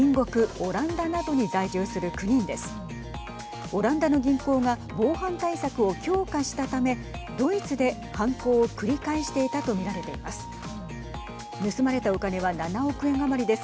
オランダの銀行が防犯対策を強化したためドイツで犯行を繰り返していたと見られています。